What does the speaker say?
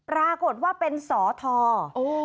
ปรากฏว่าเป็นสอทอ